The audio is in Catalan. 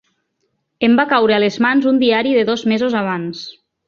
Em va caure a les mans un diari de dos mesos abans